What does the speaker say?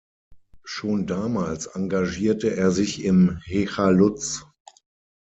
Schon damals engagierte er sich im Hechaluz.